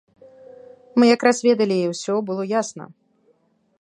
Мы якраз ведалі і ўсё было ясна.